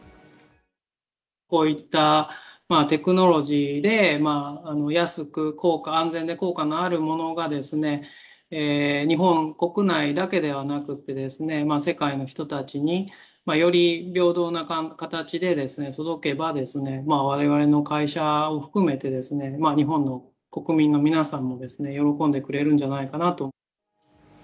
こういったテクノロジーで、安く、安全で効果のあるものが日本国内だけではなくって、世界の人たちにより平等な形で届けば、われわれの会社を含めて、日本の国民の皆さんも喜んでくれるんじゃないかなと。